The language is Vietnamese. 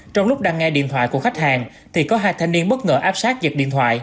trong lúc đăng nghe điện thoại của khách hàng thì có hai thanh niên bất ngờ áp sát giật điện thoại